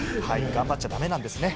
頑張っちゃダメなんですね。